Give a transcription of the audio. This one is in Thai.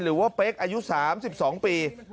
หรือว่าเป๊กอายุ๓๒ปี